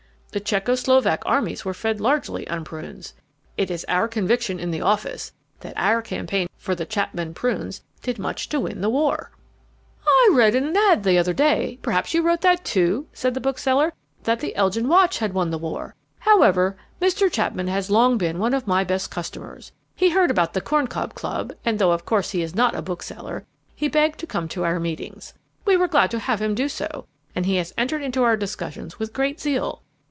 The Czecho Slovak armies were fed largely on prunes. It is our conviction in the office that our campaign for the Chapman prunes did much to win the war." "I read in an ad the other day perhaps you wrote that, too?" said the bookseller, "that the Elgin watch had won the war. However, Mr. Chapman has long been one of my best customers. He heard about the Corn Cob Club, and though of course he is not a bookseller he begged to come to our meetings. We were glad to have him do so, and he has entered into our discussions with great zeal.